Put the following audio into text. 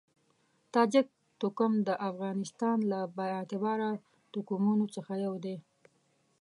تاجک توکم د افغانستان له با اعتباره توکمونو څخه یو دی.